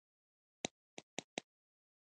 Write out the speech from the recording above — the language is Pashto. تر ډېره د خپلو خدماتو د پلور په فکر کې نه وي.